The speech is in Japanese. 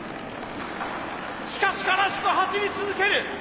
しかし悲しく走り続ける。